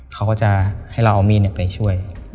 เขาก็จะให้เราเอามีดไปช่วย